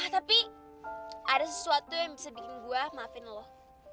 tapi ada sesuatu yang bisa bikin gue maafin allah